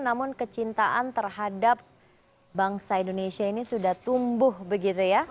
namun kecintaan terhadap bangsa indonesia ini sudah tumbuh begitu ya